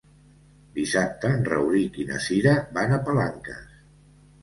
Dissabte en Rauric i na Cira van a Palanques.